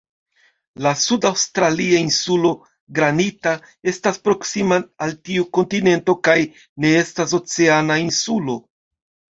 La sud-aŭstralia Insulo Granita estas proksima al tiu kontinento kaj ne estas "oceana" insulo.